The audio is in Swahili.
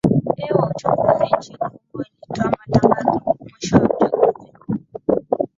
e ya uchanguzi nchini humo ilitoa matangazo mwisho ya uchanguzi huo